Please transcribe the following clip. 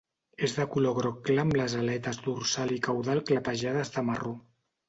És de color groc clar amb les aletes dorsal i caudal clapejades de marró.